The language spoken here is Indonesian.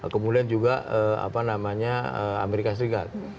kemudian juga apa namanya amerika serikat